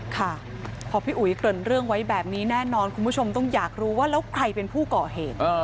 ค่ะพอพี่อุ๋ยเกริ่นเรื่องไว้แบบนี้แน่นอนคุณผู้ชมต้องอยากรู้ว่าแล้วใครเป็นผู้ก่อเหตุ